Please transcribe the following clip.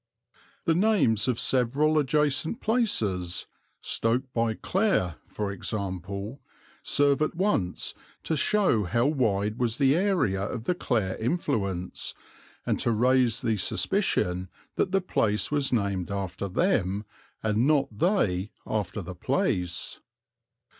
The names of several adjacent places, Stoke by Clare, for example, serve at once to show how wide was the area of the Clare influence and to raise the suspicion that the place was named after them and not they after the place.